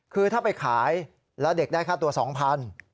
คือถ้าไปขายแล้วเด็กได้ค่าตัว๒๐๐บาท